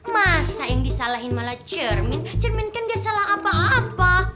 masa yang disalahin malah cermin cermin kan gak salah apa apa